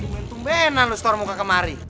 tungguin tungguinan lu setor muka kemari